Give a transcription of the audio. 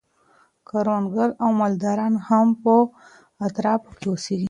کروندګر او مالداران هم په اطرافو کي اوسیږي.